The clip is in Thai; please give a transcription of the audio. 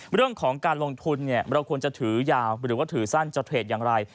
เรื่องของการลงทุนเราควรจะถือยาวหรือว่าถือสั้นจะเทรดอย่างไร